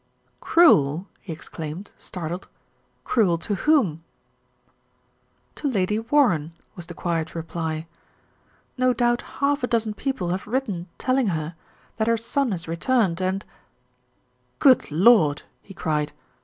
"Cruel!" he exclaimed, startled. "Cruel to whom?" "To Lady Warren," was the quiet reply. "No doubt half a dozen people have written telling her that her son has returned and " "Good Lord !" he cried.